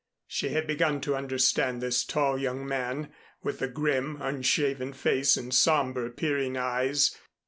She had begun to understand this tall young man, with the grim, unshaven face and somber, peering eyes.